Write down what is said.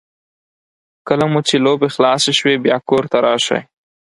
کله مو چې لوبې خلاصې شوې بیا کور ته راشئ.